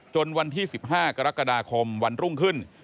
วันที่๑๕กรกฎาคมวันรุ่งขึ้น